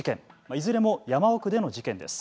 いずれも山奥での事件です。